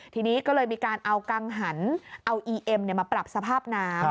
ทีนี้ก็เลยมีการเอากังหันเอาอีเอ็มมาปรับสภาพน้ำ